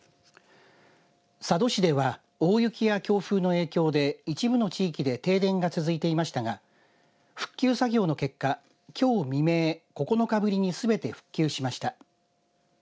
佐渡市では大雪や強風の影響で一部の地域で停電が続いていましたが復旧作業の結果きょう未明９日ぶりにすべて復旧しました。